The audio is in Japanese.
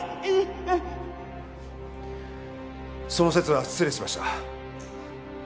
その節は失礼しました。